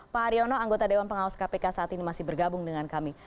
pak haryono anggota dewan pengawas kpk saat ini masih bergabung dengan kami